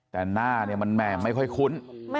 แต่หน้าเนี่ยมันแหม่ไม่ค่อยคุ้น